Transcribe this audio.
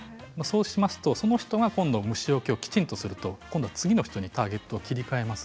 その人が今度は虫よけをきちんとすると今度、次の人にターゲットを切り替えます。